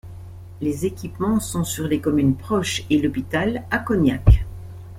Les équipements sont sur les communes proches et l'hôpital à Cognac.